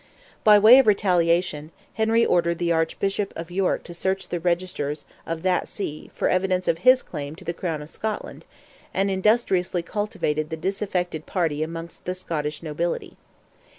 By way of retaliation, Henry ordered the Archbishop of York to search the registers of that see for evidence of his claim to the Crown of Scotland, and industriously cultivated the disaffected party amongst the Scottish nobility.